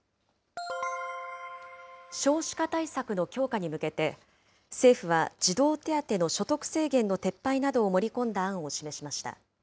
少子化対策の強化に向けて、政府は児童手当の所得制限の撤廃などを盛り込んだ案を示しました。